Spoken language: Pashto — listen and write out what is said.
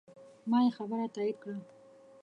ما یې خبره تایید کړه.